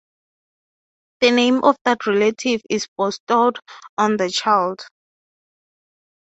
The name of that relative is bestowed on the child.